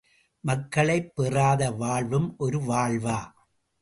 மக்களைப் பெறாத வாழ்வும் ஒரு வாழ்வா!